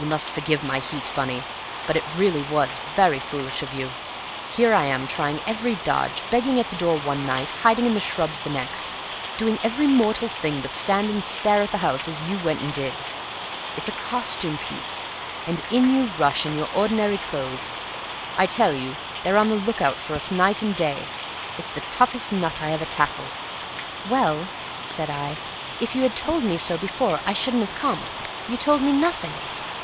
"You must forgive my heat, Bunny, but it really was very foolish of you. Here am I trying every dodge begging at the door one night hiding in the shrubs the next doing every mortal thing but stand and stare at the house as you went and did. It's a costume piece, and in you rush in your ordinary clothes. I tell you they're on the lookout for us night and day. It's the toughest nut I ever tackled!" "Well," said I, "if you had told me so before I shouldn't have come. You told me nothing."